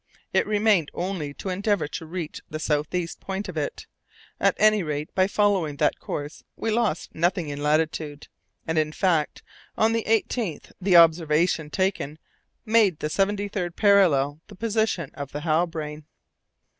It remained only to endeavour to reach the south east point of it. At any rate, by following that course we lost nothing in latitude; and, in fact, on the 18th the observation taken made the seventy third parallel the position of the Halbrane.